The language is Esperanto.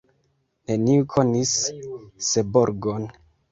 Neniu konis Seborgon.